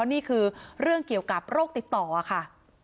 นี่คือเรื่องเกี่ยวกับโรคติดต่อค่ะ